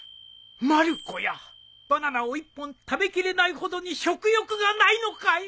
まる子やバナナを１本食べきれないほどに食欲がないのかい！？